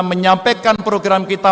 menyampaikan program kita